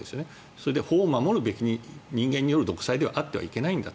それで法を守るべき人間による独裁であってはいけないんだ。